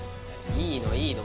いいのいいの。